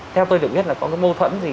theo tôi được biết là có cái mâu thuẫn gì